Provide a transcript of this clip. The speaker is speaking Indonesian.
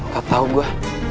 gak tau gue